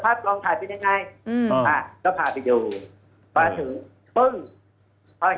ดาราชายคนนี้ใช่ปุ๊บพี่ตัวมาอ๋อเอ๋ยมาเลย